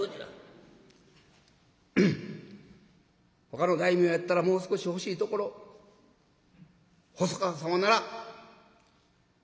「ほかの大名やったらもう少し欲しいところ細川様なら百両」。